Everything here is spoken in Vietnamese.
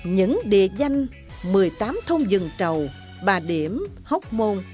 những địa danh một mươi tám thông dừng trầu ba điểm hóc môn